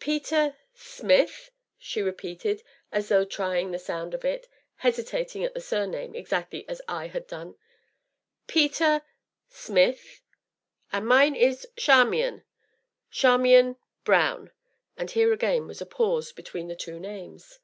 "Peter Smith!" she repeated, as though trying the sound of it, hesitating at the surname exactly as I had done. "Peter Smith! and mine is Charmian, Charmian Brown." And here again was a pause between the two names.